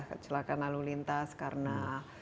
kecelakaan lalu lintas karena